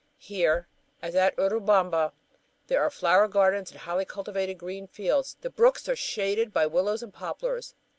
Here, as at Urubamba, there are flower gardens and highly cultivated green fields. The brooks are shaded by willows and poplars.